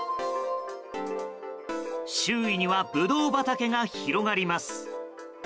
周囲にはブドウ畑が広がります。